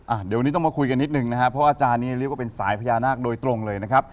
อ่ะเดี๋ยววันนี้ต้องมาคุยกันนิดนึงนะครับเพราะอาจารย์นี้เรียกว่าเป็นสายพญานาคโดยตรงเลยนะครับ